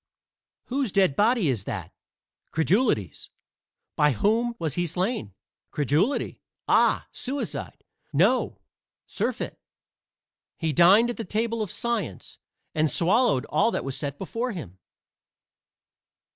"Whose dead body is that?" "Credulity's." "By whom was he slain?" "Credulity." "Ah, suicide." "No, surfeit. He dined at the table of Science, and swallowed all that was set before him."